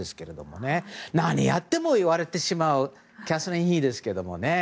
何やっても言われてしまうキャサリン妃ですけどもね。